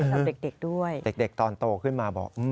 สำหรับเด็กด้วยเด็กตอนโตขึ้นมาบอก